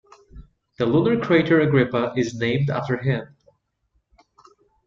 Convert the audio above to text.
The lunar crater Agrippa is named after him.